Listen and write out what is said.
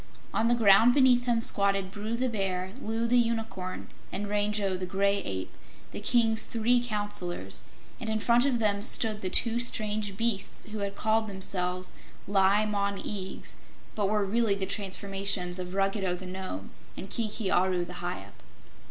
On the ground beneath him squatted Bru the Bear, Loo the Unicorn, and Rango the Gray Ape, the King's three Counselors, and in front of them stood the two strange beasts who had called themselves Li Mon Eags, but were really the transformations of Ruggedo the Nome, and Kiki Aru the Hyup.